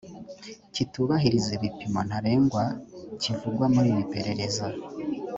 kitubahiriza ibipimo ntarengwa kivugwa muri iri perereza